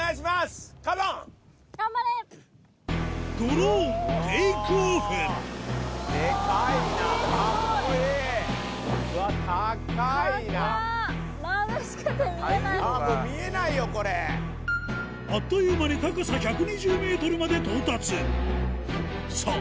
ドローンテイクオフあっという間に高さ１２０ｍまで到達さぁ